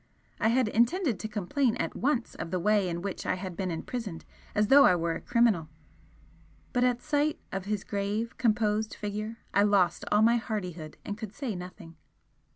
I had intended to complain at once of the way in which I had been imprisoned as though I were a criminal but at sight of his grave, composed figure I lost all my hardihood and could say nothing.